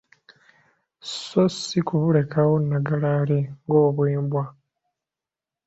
So si kubulekaawo nnagalaale ng‘obwembwa.